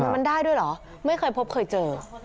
มันได้ด้วยเหรอไม่เคยพบเคยเจอ